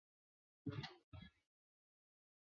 新城市是爱知县东部东三河地区的市。